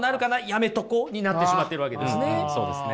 やめとこうになってしまっているわけですね。